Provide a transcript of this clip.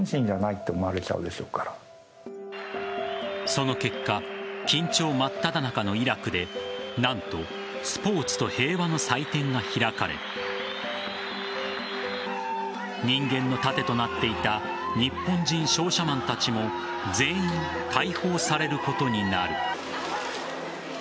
その結果緊張まっただ中のイラクで何とスポーツと平和の祭典が開かれ人間の盾となっていた日本人商社マンたちも全員解放されることになる。